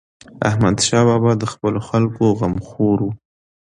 احمدشاه بابا د خپلو خلکو غمخور و.